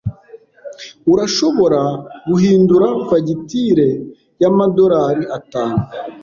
Urashobora guhindura fagitire yamadorari atanu?